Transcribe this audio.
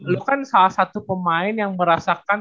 lu kan salah satu pemain yang merasakan